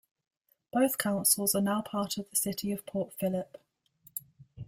Both councils are now part of the City of Port Phillip.